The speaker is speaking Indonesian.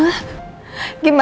aku takut banget ma